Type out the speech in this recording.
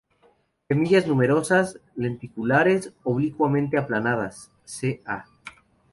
Semillas numerosas, lenticulares, oblicuamente aplanadas, ca.